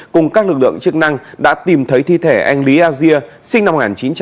cùng các lực lượng chức năng đã tìm thấy thi thể anh lý asia sinh năm một nghìn chín trăm chín mươi bảy